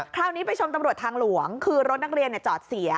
คราวนี้ไปชมตำรวจทางหลวงคือรถนักเรียนจอดเสีย